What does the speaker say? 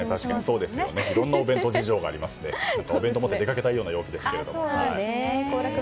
いろんなお弁当事情がありますのでお弁当を持って出かけたいような陽気ですけれども。